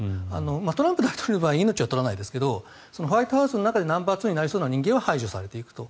トランプ大統領の場合命は取らないですけどホワイトハウスの中でナンバーツーになりそうな人間は排除されていくと。